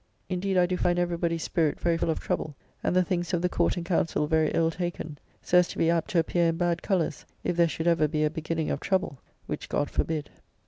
Indeed I do find every body's spirit very full of trouble; and the things of the Court and Council very ill taken; so as to be apt to appear in bad colours, if there should ever be a beginning of trouble, which God forbid!